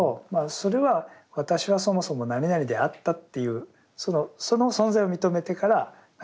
それは「私はそもそも何々であった」っていうその存在を認めてからなる。